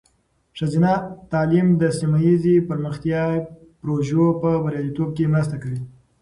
ښځینه تعلیم د سیمه ایزې پرمختیا پروژو په بریالیتوب کې مرسته کوي.